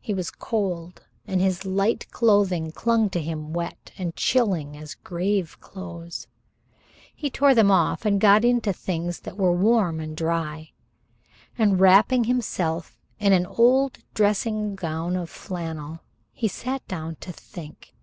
He was cold, and his light clothing clung to him wet and chilling as grave clothes. He tore them off and got himself into things that were warm and dry, and wrapping himself in an old dressing gown of flannel, sat down to think.